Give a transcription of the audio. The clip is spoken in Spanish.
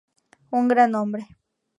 Un gran hombre".